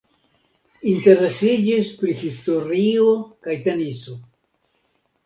Interesiĝis pri historio kaj teniso.